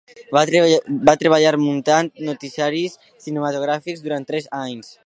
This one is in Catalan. Va treballar muntant noticiaris cinematogràfics durant tres anys.